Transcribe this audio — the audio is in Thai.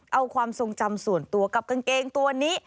เอาความทรงจำส่วนตัวกับกางเกงตัวนี้